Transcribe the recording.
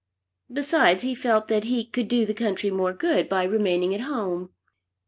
Besides he felt that he could do the country more good by remaining at home.